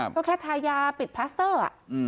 เพราะแค่ทายยาปิดพลาสเตอร์